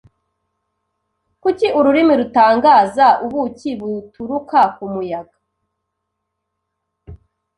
Kuki Ururimi rutangaza ubuki buturuka kumuyaga